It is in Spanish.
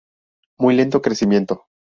Muy lento crecimiento.